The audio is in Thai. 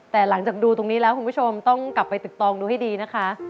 แต่หลังจากดูตรงนี้แล้วคุณผู้ชมต้องกลับไปตึกตองดูให้ดีนะคะ